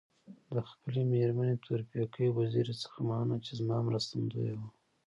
د خپلي مېرمني تورپیکۍ وزيري څخه مننه چي زما مرستندويه وه.